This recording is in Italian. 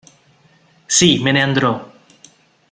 Sì, me ne andrò.